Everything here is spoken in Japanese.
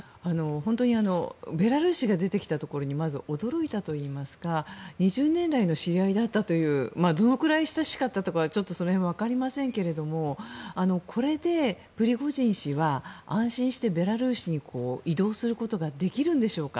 本当にベラルーシが出てきたところにまず驚いたといいますか２０年来の知り合いだったというどのくらい親しかったとかその辺はわかりませんけどもこれでプリゴジン氏は安心してベラルーシに移動することができるんでしょうか。